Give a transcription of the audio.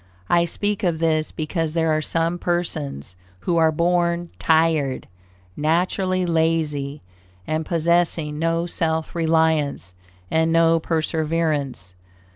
I speak of this because there are some persons who are "born tired;" naturally lazy and possessing no self reliance and no perseverance.